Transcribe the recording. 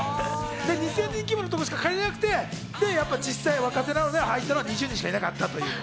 ２０００人規模のところしかなくて実際若手なので、あいたら２０人しかいなかった。